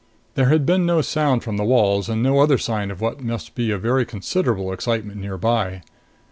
There had been no sound from the walls and no other sign of what must be very considerable excitement nearby.